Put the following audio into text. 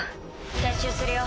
撤収するよ